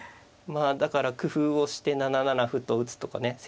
だから工夫をして７七歩と打つとかね